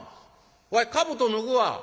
わいかぶと脱ぐわ。